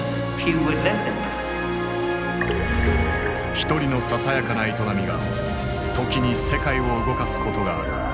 一人のささやかな営みが時に世界を動かすことがある。